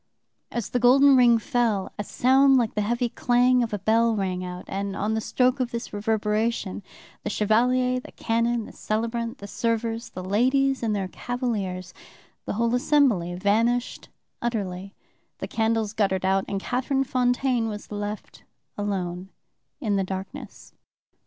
As the golden ring fell, a sound like the heavy clang of a bell rang out, and on the stroke of this reverberation the Chevalier, the canon, the celebrant, the servers, the ladies and their cavaliers, the whole assembly vanished utterly; the candles guttered out, and Catherine Fontaine was left alone in the darkness."